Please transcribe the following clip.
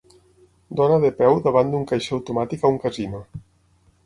Dona de peu davant d'un caixer automàtic a un casino